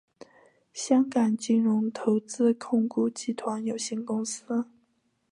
香港金融投资控股集团有限公司。